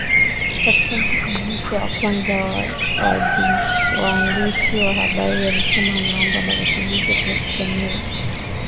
Katika mkutano wake wa kwanza na waandishi wa habari alisema ameomba marekebisho kuhusu dhamira ya kikosi chetu